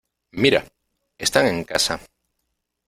¡ Mira! Están en casa.